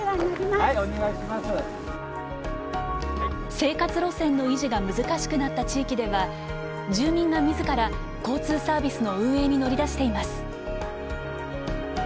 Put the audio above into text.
生活路線の維持が難しくなった地域では住民がみずから交通サービスの運営に乗り出しています。